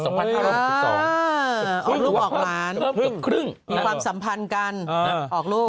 อ๋อออกรูปออกร้านเพิ่มกับครึ่งมีความสัมพันธ์กันออกรูป